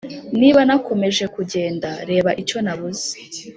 niba nakomeje kugenda, reba icyo nabuze